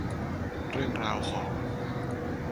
เรื่องราวของ